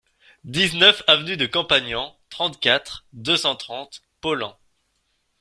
dix-neuf avenue de Campagnan, trente-quatre, deux cent trente, Paulhan